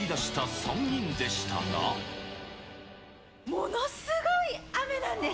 ものすごい雨なんです。